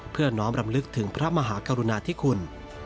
เพื่อน้องรำลึกถึงพระมหากรุณาที่ขุ่น